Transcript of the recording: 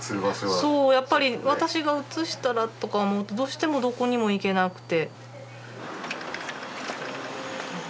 そうやっぱり私がうつしたらとか思うとどうしてもどこにも行けなくて。